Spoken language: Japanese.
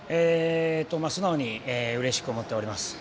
素直にうれしく思っております。